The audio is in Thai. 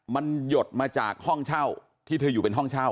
มันหยดมาจากห้องเช่าที่เธออยู่เป็นห้องเช่า